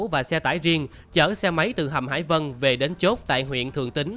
và xe tải riêng chở xe máy từ hầm hải vân về đến chốt tại huyện thường tín